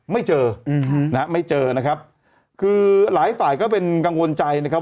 ไม่เจออืมนะฮะไม่เจอนะครับคือหลายฝ่ายก็เป็นกังวลใจนะครับ